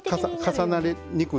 重なりにくい。